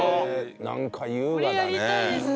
なんか優雅だね。